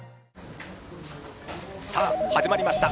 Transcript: さあ始まりました。